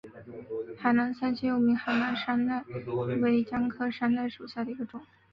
海南三七又名海南山柰为姜科山柰属下的一个种。